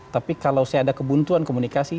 tapi kalau saya ada kebuntuan komunikasi